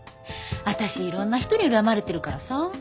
私いろんな人に恨まれてるからさ。